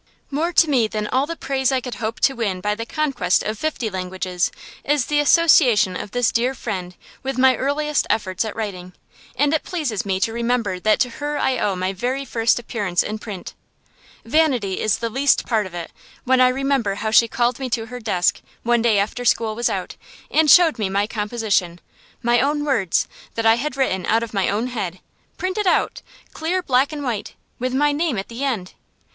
More to me than all the praise I could hope to win by the conquest of fifty languages is the association of this dear friend with my earliest efforts at writing; and it pleases me to remember that to her I owe my very first appearance in print. Vanity is the least part of it, when I remember how she called me to her desk, one day after school was out, and showed me my composition my own words, that I had written out of my own head printed out, clear black and white, with my name at the end!